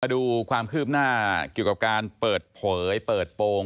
ดูความคืบหน้าเกี่ยวกับการเปิดเผยเปิดโปรง